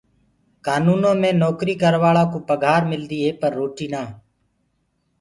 ڪآنوُنو مي نوڪري ڪروآݪڪوُ پگھآر ملدي هي پر روٽي نآ۔